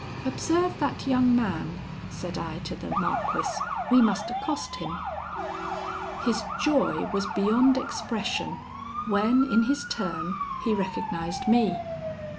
"Observe that young man," said I to the Marquis; "we must accost him." His joy was beyond expression when, in his turn, he recognised me.